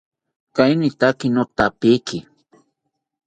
Kainitaki nothapiki